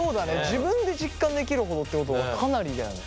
自分で実感できるほどってことはかなりだよね。